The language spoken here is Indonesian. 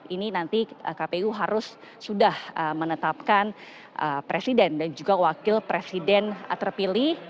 ini nanti kpu harus sudah menetapkan presiden dan juga wakil presiden terpilih